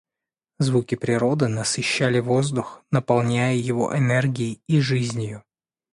Звуки природы насыщали воздух, наполняя его энергией и жизнью.